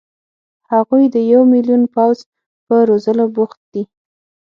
هغوی د یو ملیون پوځ په روزلو بوخت دي.